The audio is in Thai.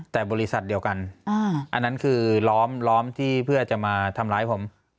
แต่บริษัทเดียวกันอันนั้นคือล้อมที่เพื่อจะมาทำร้ายผม